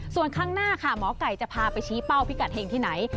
ส่วนข้างหน้าค่ะหมอไก่จะพาไปชี้เป้าพิกัดเห็งที่ไหน